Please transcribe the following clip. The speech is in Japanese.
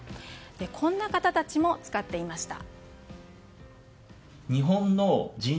こんな方たちも使っていました。